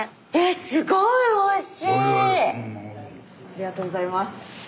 ありがとうございます。